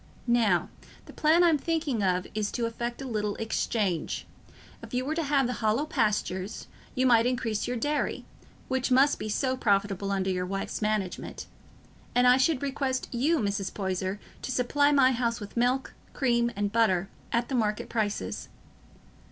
Now, the plan I'm thinking of is to effect a little exchange. If you were to have the Hollow Pastures, you might increase your dairy, which must be so profitable under your wife's management; and I should request you, Mrs. Poyser, to supply my house with milk, cream, and butter at the market prices.